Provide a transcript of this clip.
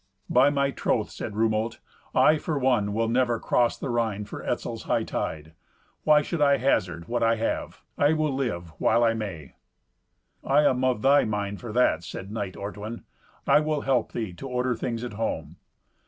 "By my troth," said Rumolt, "I, for one, will never cross the Rhine for Etzel's hightide. Why should I hazard what I have? I will live while I may." "I am of thy mind for that," said knight Ortwin. "I will help thee to order things at home."